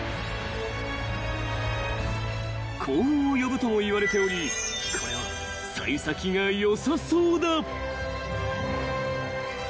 ［幸運を呼ぶともいわれておりこれは幸先が良さそうだ］